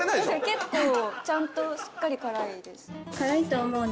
結構ちゃんとしっかり辛いです。